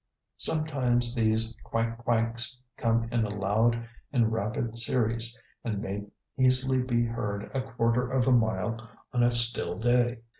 Sometimes these "quank, quanks" come in a loud and rapid series and may easily be heard a quarter of a mile on a still day.